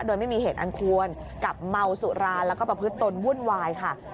โดยไม่มีเหตุอันควรกับเมาสุราแล้วก็ประพฤติตนวุ่นวายค่ะ